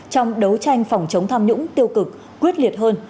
trong đấu tranh phòng chống tham nhũng tiêu cực quyết liệt hơn